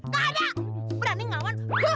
gak ada berani ngawan